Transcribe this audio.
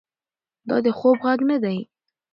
دا د خوب غږ نه دی.